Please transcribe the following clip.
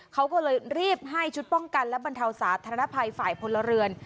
เขาก็เลยรีบให้ชุดป้องกันและบรรเทาสาธารณภัยฝ่ายพลเรือน